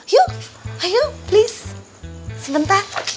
yuk ayo please sebentar